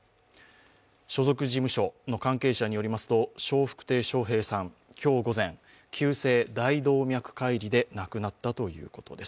所属事務所の関係者によりますと笑福亭笑瓶さん、今日午前、急性大動脈解離で亡くなったということです。